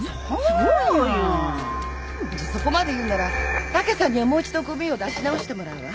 じゃそこまで言うなら武さんにはもう一度ごみを出し直してもらうわ。